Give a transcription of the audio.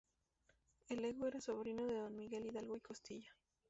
El Lego era sobrino de Don Miguel Hidalgo y Costilla.